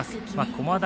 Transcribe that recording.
駒大